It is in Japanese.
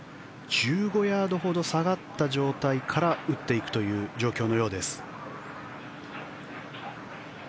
１５ヤードほど下がった状態から打っていくという状況です。